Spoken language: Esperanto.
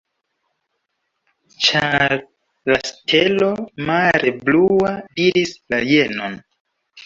Ĉar la stelo, mare blua, diris la jenon.